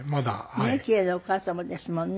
ねっキレイなお母様ですもんね。